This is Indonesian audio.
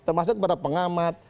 termasuk kepada pengamat